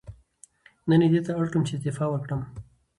نن یې دې ته اړ کړم چې استعفا ورکړم.